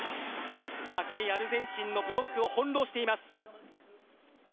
高いアルゼンチンのブロックを翻弄しています。